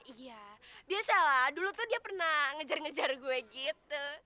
iya dia salah dulu tuh dia pernah ngejar ngejar gue gitu